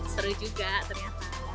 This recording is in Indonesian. seru juga ternyata